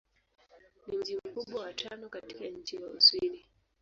Ni mji mkubwa wa tano katika nchi wa Uswidi.